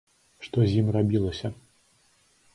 Што з ім рабілася?